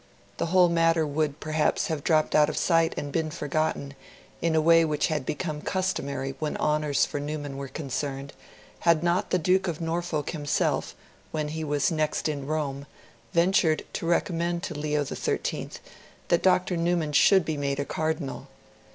The whole matter would, perhaps, have dropped out of sight and been forgotten, in a way which had become customary when honours for Newman were concerned, had not the Duke of Norfolk himself, when he was next in Rome, ventured to recommend to Leo XIII that Dr. Newman should be made a Cardinal.